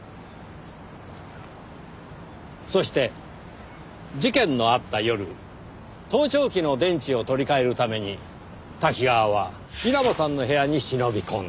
そして事件のあった夜盗聴器の電池を取り替えるために瀧川は稲葉さんの部屋に忍び込んだ。